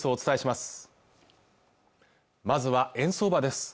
まずは円相場です